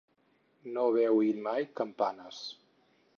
No haver oït mai campanes.